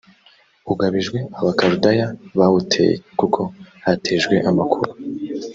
ugabijwe abakaludaya bawuteye kuko hatejwe amakuba